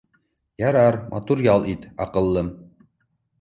— Ярар, матур ял ит, аҡыллым